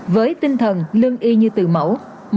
với tinh thần lương y như từ mẫu